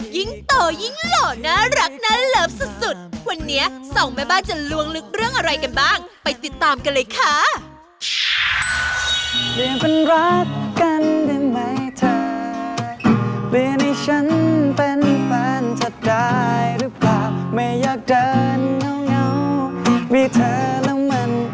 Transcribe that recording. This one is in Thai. ยิ่งโตยิ่งหล่อน่ารักน่าเลิฟสุดสุดวันเนี้ยสองแม่บ้านจะลวงลึกเรื่องอะไรกันบ้าง